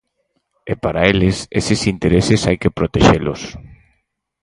E para eles eses intereses hai que protexelos.